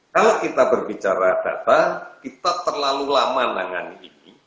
kalau kita berbicara data kita terlalu lama menangani ini